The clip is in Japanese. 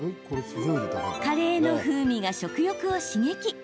カレーの風味が食欲を刺激。